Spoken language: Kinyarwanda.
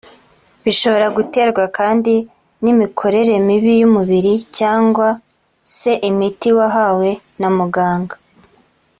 bishobora guterwa kandi n’imikorere mibi y’umubiri cyangwa se imiti wahawe na muganga